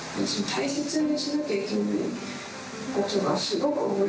大切にしなきゃいけないことがすごい多い。